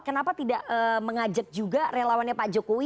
kenapa tidak mengajak juga relawannya pak jokowi